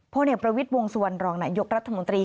พลเนกประวิทย์วงสวรรค์นายกรัฐมนตรี